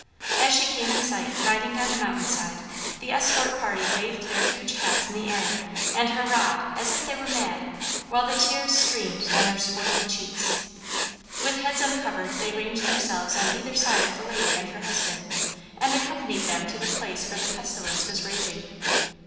As she came in sight, riding down the mountain side, the escort party waved their huge hats in the air and hurrahed as if they were mad, while the tears streamed down their swarthy cheeks. With heads uncovered they ranged themselves on either side of the lady and her husband, and accompanied them to the place where the pestilence was raging.